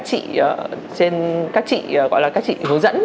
các chị hướng dẫn